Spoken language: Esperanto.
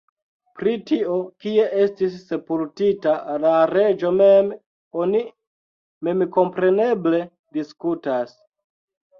Pri tio, kie estis sepultita la reĝo mem, oni memkompreneble diskutas.